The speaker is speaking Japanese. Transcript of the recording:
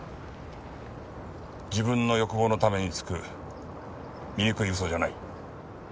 自分の欲望のためにつく醜い嘘じゃない。